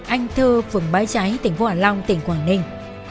anh thơ phường bái trái tỉnh hòa long tỉnh quảng ninh